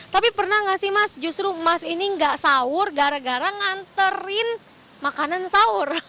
tapi pernah nggak sih mas justru mas ini nggak sahur gara gara nganterin makanan sahur